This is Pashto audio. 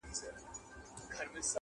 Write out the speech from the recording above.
چي د خلکو یې لوټ کړي وه مالونه-